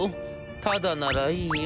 タダならいいよ。